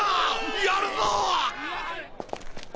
やるぞ！